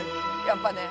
やっぱね。